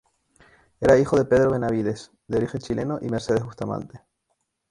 Era hijo de Pedro Benavídez, de origen chileno, y Mercedes Bustamante.